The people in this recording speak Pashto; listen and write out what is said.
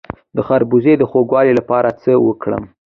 د خربوزو د خوږوالي لپاره څه وکړم؟